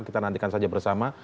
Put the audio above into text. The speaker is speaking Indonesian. kita nantikan saja bersama